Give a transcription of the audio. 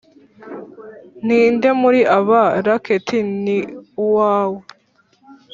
ninde muri aba racket ni uwawe?